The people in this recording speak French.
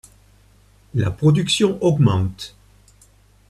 La production augmente.